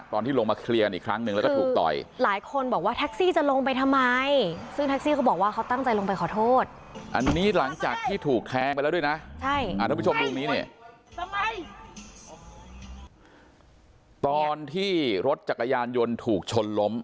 ตอนที่รถจักรยานยนต์ถูกชนล้ม